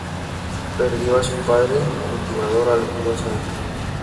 Perdió a su padre, cultivador, a los dos años.